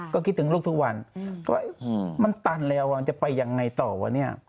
ก็คิดถึงลูกทุกวันว่ามันตันแล้วจะไปยังไงต่อวะเนี่ย